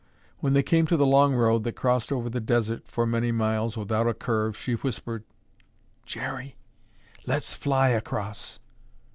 When they came to the long road that crossed over the desert for many miles without a curve, she whispered, "Jerry, let's fly across."